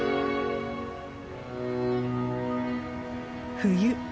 冬。